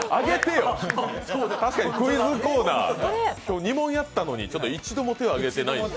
確かにクイズコーナー、今日２問やったのに一度も手を挙げてない。